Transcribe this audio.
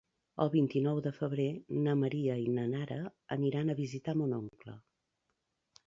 El vint-i-nou de febrer na Maria i na Nara aniran a visitar mon oncle.